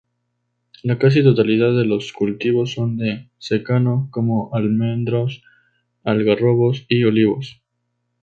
La casi totalidad de los cultivos son de secano como almendros, algarrobos y olivos.